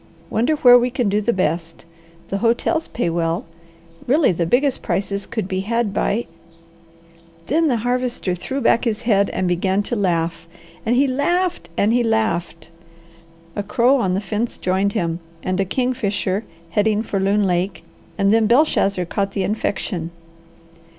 Wonder where we can do the best? The hotels pay well. Really, the biggest prices could be had by " Then the Harvester threw back his head and began to laugh, and he laughed, and he laughed. A crow on the fence Joined him, and a kingfisher, heading for Loon Lake, and then Belshazzar caught the infection.